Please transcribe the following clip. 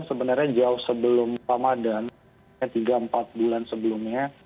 sebenarnya jauh sebelum ramadan tiga empat bulan sebelumnya